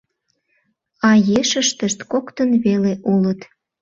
А ешыштышт коктын веле улыт.